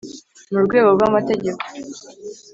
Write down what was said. Mu rwego rw amategeko